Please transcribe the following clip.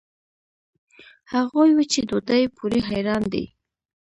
هغوي وچې ډوډوۍ پورې حېران دي.